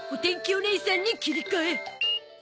おねいさんに切り替え！